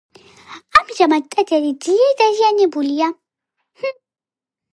ამჟამად, ტაძარი ძლიერ დაზიანებულია.